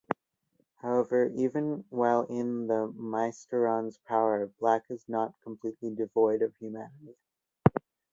However, even while in the Mysteron's power, Black is not completely devoid of humanity.